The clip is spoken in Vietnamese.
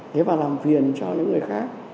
nhất là làm phiền cho những người khác